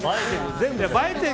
全部映えてる。